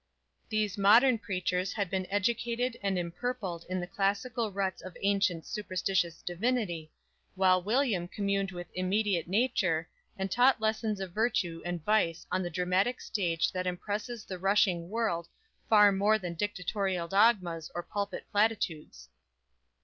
These modern preachers had been educated and empurpled in the classical ruts of ancient superstitious divinity, while William communed with immediate nature, and taught lessons of virtue and vice on the dramatic stage that impresses the rushing world, far more than dictatorial dogmas or pulpit platitudes.